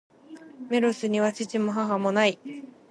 メロスには父も、母も無い。